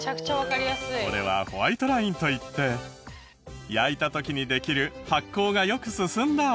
これはホワイトラインといって焼いた時にできる発酵がよく進んだ証し。